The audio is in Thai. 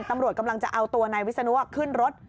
ตำรวจกำลังจะเอาตัวนายวิศนุขึ้นรถ